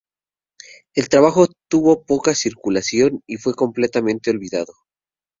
El trabajo tuvo poca circulación y fue completamente olvidado.